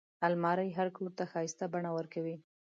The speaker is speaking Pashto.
الماري هر کوټ ته ښايسته بڼه ورکوي